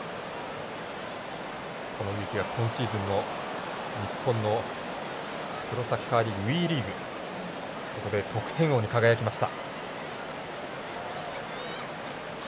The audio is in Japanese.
この植木は今シーズンの日本のプロサッカーリーグＷＥリーグでそこで得点王に輝きました。